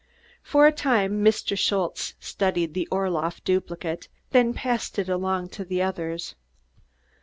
For a time Mr. Schultze studied the Orloff duplicate, then passed it along to the experts.